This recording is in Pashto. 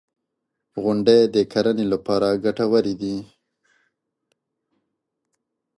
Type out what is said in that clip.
• غونډۍ د کرنې لپاره ګټورې دي.